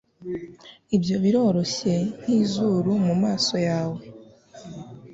Ibyo biroroshye nkizuru mumaso yawe